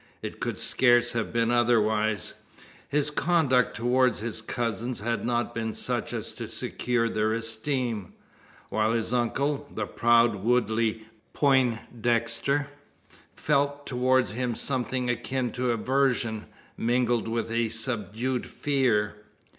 It could scarce have been otherwise. His conduct towards his cousins had not been such as to secure their esteem; while his uncle, the proud Woodley Poindexter, felt towards him something akin to aversion, mingled with a subdued fear.